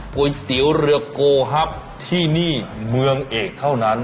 ก๋วยเตี๋ยวเรือโกฮับที่นี่เมืองเอกเท่านั้น